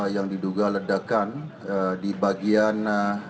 yang diduga ledakan di bagian